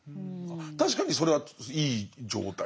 確かにそれはいい状態。